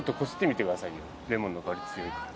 レモンの香り強いから。